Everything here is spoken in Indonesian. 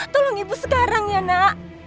tolong ibu sekarang ya nak